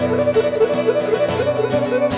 มาถึงช่วงสุดท้ายของ